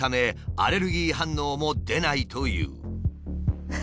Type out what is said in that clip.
アレルギー反応も出ないという。